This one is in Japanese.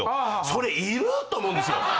それいる？と思うんですよ。